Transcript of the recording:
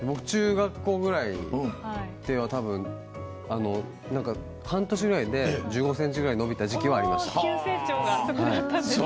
中学校ぐらいで、たぶん半年ぐらいで１５ｃｍぐらい伸びた時期がありました。